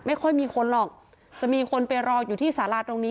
ไม่ค่อยมีคนหรอกจะมีคนไปรออยู่ที่สาราตรงนี้